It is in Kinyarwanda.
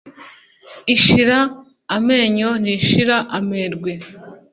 Ishira amenyo ntishira amerwe.